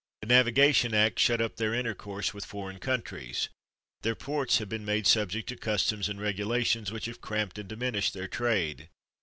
The Nav igation Act shut up their intercourse with foreign countries. Their ports have been made subject to customs and regulations which have cramped and diminished their trade.